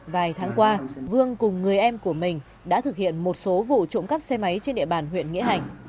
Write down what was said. vài tháng qua vương cùng người em của mình đã thực hiện một số vụ trộm cắp xe máy trên địa bàn huyện nghĩa hành